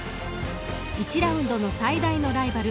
１ラウンドの最大のライバル